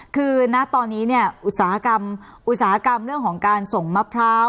คือณตอนนี้เนี่ยอุตสาหกรรมอุตสาหกรรมเรื่องของการส่งมะพร้าว